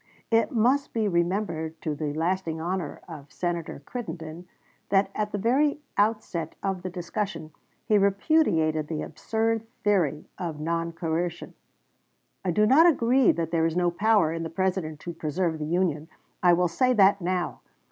It must be remembered to the lasting honor of Senator Crittenden that at the very outset of the discussion he repudiated the absurd theory of noncoercion. "I do not agree that there is no power in the President to preserve the Union; I will say that now.